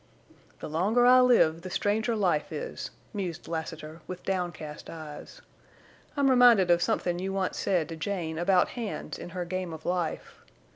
"The longer I live the stranger life is," mused Lassiter, with downcast eyes. "I'm reminded of somethin' you once said to Jane about hands in her game of life.